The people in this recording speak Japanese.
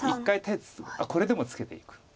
１回あっこれでもツケていく。